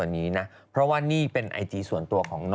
โอลี่คัมรี่ยากที่ใครจะตามทันโอลี่คัมรี่ยากที่ใครจะตามทัน